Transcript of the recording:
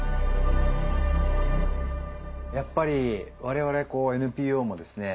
やっぱり我々ＮＰＯもですね